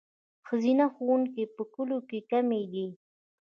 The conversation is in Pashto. ښځینه ښوونکي په کلیو کې کمې دي.